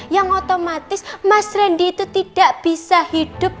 yang otomatis mas randy itu tidak bisa hidup